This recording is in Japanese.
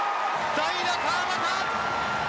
代打、川端。